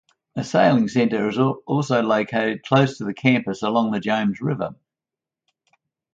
A sailing center is also located close to the campus along the James river.